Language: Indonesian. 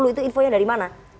itu info yang dari mana